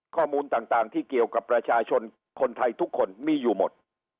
ข้อมูลต่างที่เกี่ยวกับประชาชนคนไทยทุกคนมีอยู่หมด